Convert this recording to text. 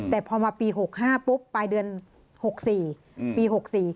แต่พอมาปี๖๕ปุ๊บปลายเดือน๖๔ปี๖๔